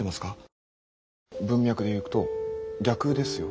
今の文脈でいくと逆ですよ。